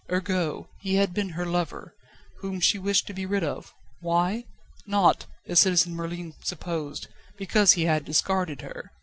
Ergo, he had been her lover, whom she wished to be rid of why? Not, as Citizen Merlin supposed, because he had discarded her.